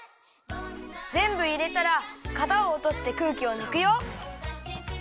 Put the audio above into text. ぜんぶいれたら型をおとしてくうきをぬくよ。